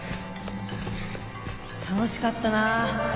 楽しかったなあ。